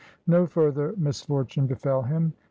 No further misfortune befell him.